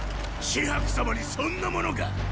紫伯様にそんなものが！